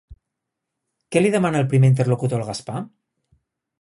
Què li demana el primer interlocutor al Gaspar?